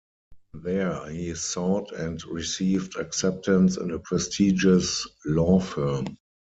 There he sought and received acceptance in a prestigious law firm.